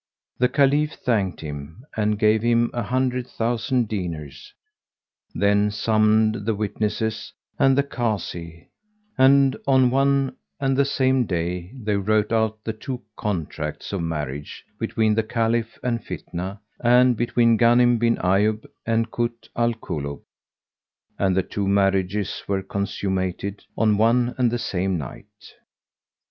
The Caliph thanked him and gave him an hundred thousand dinars, then summoned the witnesses and the Kazi, and on one and the same day they wrote out the two contracts of marriage between the Caliph and Fitnah and between Ghanim bin Ayyub and Kut al Kulub; and the two marriages were consummated on one and the same night.